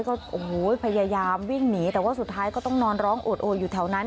ก็โอ้โหพยายามวิ่งหนีแต่ว่าสุดท้ายก็ต้องนอนร้องโอดโออยู่แถวนั้น